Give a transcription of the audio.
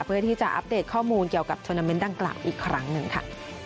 เพื่อที่จะอัปเดตข้อมูลเกี่ยวกับโทรนาเมนต์ดังกล่าวอีกครั้งหนึ่งค่ะ